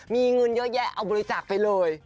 มีเงินเยอะแยะเอาบริจาคไปเลย